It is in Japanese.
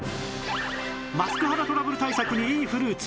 マスク肌トラブル対策にいいフルーツ